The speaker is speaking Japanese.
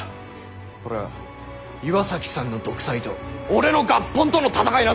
これは岩崎さんの独裁と俺の合本との戦いなんだ。